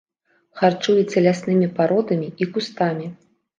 Харчуецца ляснымі пародамі і кустамі.